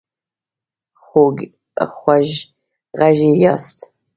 خوږغږي ياست